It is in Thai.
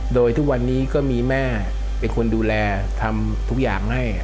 โดยทุกวันนี้ก็มีแม่เป็นคนดูแลทำทุกอย่างให้